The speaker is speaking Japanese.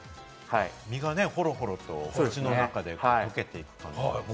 身がほろほろと口の中でとけていきます。